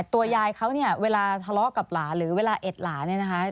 ตัวยายเขาเนี่ยเวลาทะเลาะกับหลาหรือเวลาเอ็ดหลาเนี่ยนะคะ